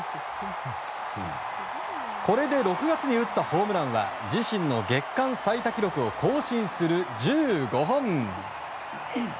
これで６月に打ったホームランは自身の月間最多記録を更新する１５本。